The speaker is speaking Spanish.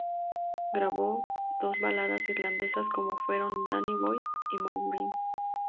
Grabó dos baladas irlandesas como fueron "Danny Boy" y "Maureen".